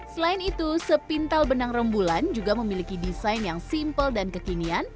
selain itu sepintal benang rembulan juga memiliki desain yang simpel dan kekinian